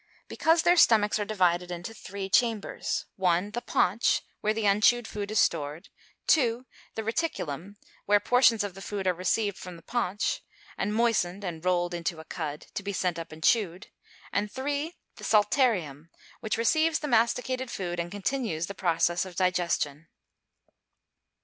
_ Because their stomachs are divided into three chambers: 1, the paunch, where the unchewed food is stored; 2, the reticulum, where portions of the food are received from the paunch, and moistened and rolled into a "cud," to be sent up and chewed; and 3, the psalterium, which receives the masticated food, and continues the process of digestion.